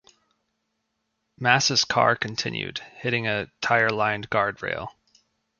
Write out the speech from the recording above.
Mass's car continued, hitting a tyre-lined guardrail.